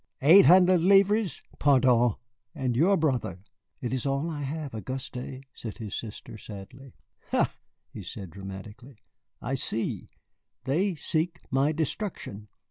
Eight hundred livres, pardieu, and your brother!" "It is all I have, Auguste," said his sister, sadly. "Ha!" he said dramatically, "I see, they seek my destruction.